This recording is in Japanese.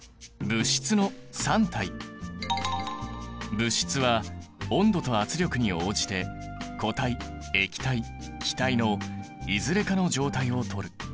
物質は温度と圧力に応じて固体液体気体のいずれかの状態をとる。